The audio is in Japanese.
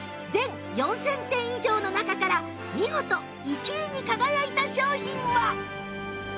全４０００点以上の中から見事１位に輝いた商品は？